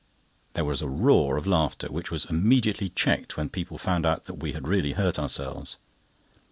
There was a roar of laughter, which was immediately checked when people found that we had really hurt ourselves.